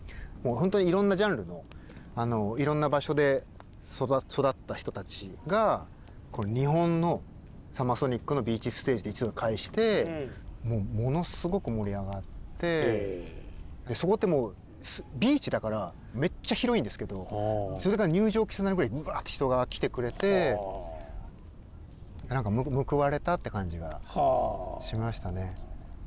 いろんなジャンルのいろんな場所で育った人たちが日本のＳＵＭＭＥＲＳＯＮＩＣのＢＥＡＣＨＳＴＡＧＥで一堂に会してものすごく盛り上がってそこってビーチだからめっちゃ広いんですけどそれが入場規制になるぐらいウワーッと人が来てくれて報われたって感じがしましたね。